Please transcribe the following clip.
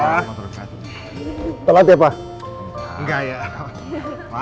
makasih buat undangannya pak